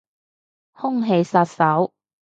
空氣殺手